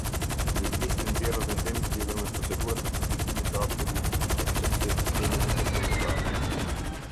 Kryeministri nxjerrë vendim lidhur me procedurat e publikimit të akteve juridike të institucioneve ndërkombëtare.